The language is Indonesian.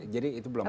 jadi itu belum ada